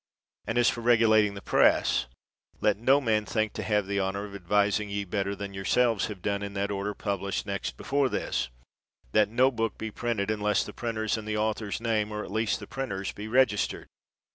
And as for regulating the Press, let no man think to have the honor of advising ye better than yourselves have done in that order pub lished next before this, '' that no book be printed, unless the printer's and the author's name, or at least the printer 's, be registered.